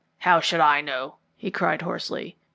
"How should I know?" he cried hoarsely.